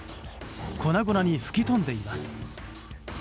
粉々に吹き飛んでいます。